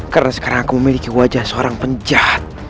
karena sekarang aku memiliki wajah seorang penjahat